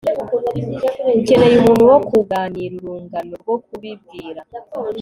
ukeneye umuntu wo kuganira, urungano rwo kubibwira